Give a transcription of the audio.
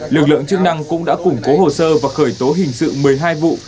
lực lượng chức năng cũng đã củng cố hồ sơ và khởi tố hình sự một mươi hai vụ